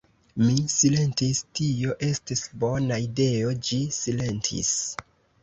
Mi silentis, tio estis bona ideo; ĝi silentis.